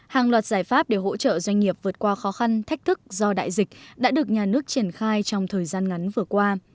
hàng loạt giải pháp để hỗ trợ doanh nghiệp vượt qua khó khăn thách thức do đại dịch đã được nhà nước triển khai trong thời gian ngắn vừa qua